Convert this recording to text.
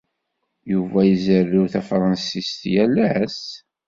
Yuba izerrew tafṛensist yal ass?